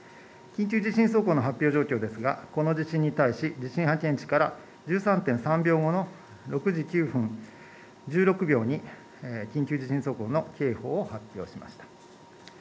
緊急地震速報の発表状況ですが、この地震に対し、地震発生地から、１３．３秒後の６時９分１６秒に緊急地震速報の警報を発表しました。